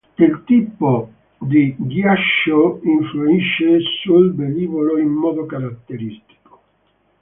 Il tipo di ghiaccio influisce sul velivolo in modo caratteristico.